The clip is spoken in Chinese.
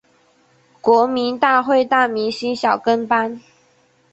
国民大会大明星小跟班